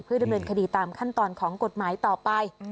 ดำเนินคดีตามขั้นตอนของกฎหมายต่อไป